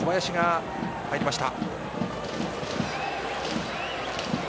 小林が入りました。